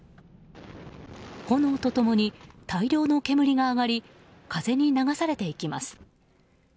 炎と共に大量の煙が上がり風に流されていきます。